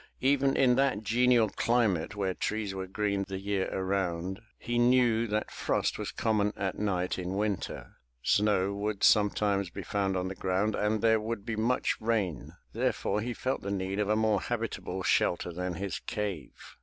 Even in that genial climate where trees were green the year around, he knew that frost was common at night in winter, snow would sometimes be found on the ground and there would be much rain, therefore he felt the need of a more habitable shelter than his cave.